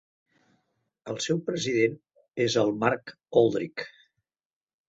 El seu president és el Mark Alldritt.